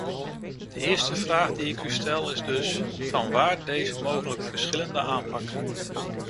De eerste vraag die ik u stel, is dus: vanwaar deze mogelijk verschillende aanpak?